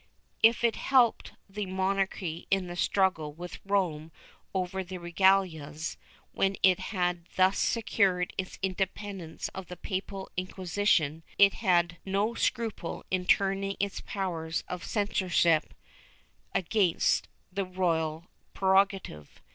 If it helped the monarchy in the struggle with Rome over the regalias, when it had thus secured its independence of the papal Inquisition it had no scruple in turning its powers of censorship against the royal prerogative.